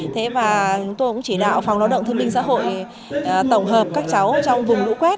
thế và chúng tôi cũng chỉ đạo phòng lao động thương binh xã hội tổng hợp các cháu trong vùng lũ quét